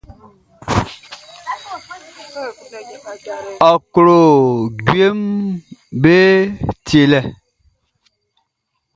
Ɔ klo jueʼm be tielɛ.